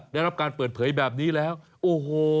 ได้รับการเปิดเผยแบบนี้แล้วโอ้โห